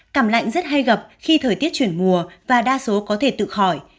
cảm lạnh rất hay gặp khi thời tiết chuyển mùa và đa số có thể tự khỏi